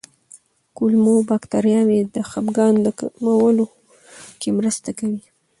کولمو بکتریاوې د خپګان د کمولو کې مرسته کوي.